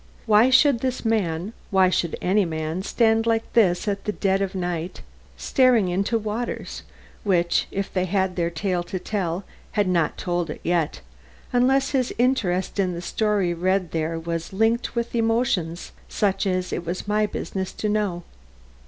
Why should this man why should any man stand like this at the dead of night staring into waters, which, if they had their tale to tell, had not yet told it unless his interest in the story he read there was linked with emotions such as it was my business to know?